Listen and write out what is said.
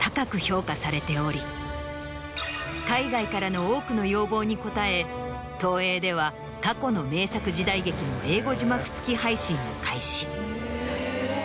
海外からの多くの要望に応え東映では過去の名作時代劇の英語字幕付き配信を開始。